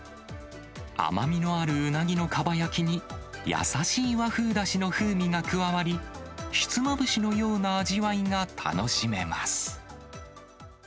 甘みのあるうなぎのかば焼きに、優しい和風だしの風味が加わり、ひつまぶしのような味わいが楽しめます。